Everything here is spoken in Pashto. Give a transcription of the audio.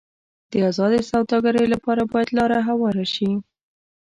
د ازادې سوداګرۍ لپاره باید لار هواره شي.